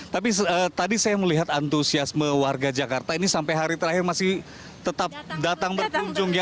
tapi tadi saya melihat antusiasme warga jakarta ini sampai hari terakhir masih tetap datang berkunjung ya